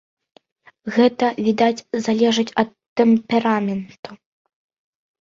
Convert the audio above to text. Гэта, відаць, залежыць ад тэмпераменту.